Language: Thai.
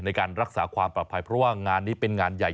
ในการรักษาความปลอดภัยเพราะว่างานนี้เป็นงานใหญ่